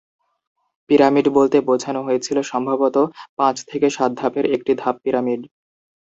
Pyramid বলতে বোঝানো হয়েছিল সম্ভবত পাঁচ থেকে সাত ধাপের একটি ধাপ পিরামিড।